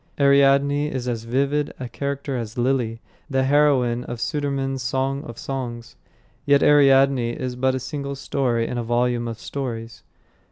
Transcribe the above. Ariadne is as vivid a character as Lilly, the heroine of Sudermann's Song of Songs; yet Ariadne is but a single story in a volume of stories.